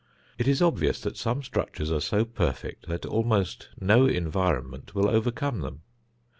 It is obvious that some structures are so perfect that almost no environment will overcome them.